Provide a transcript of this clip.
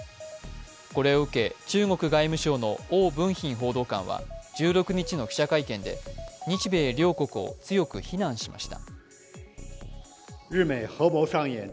これを受け、中国外務省の汪文斌報道官は１６日の記者会見で日米両国を強く非難しました。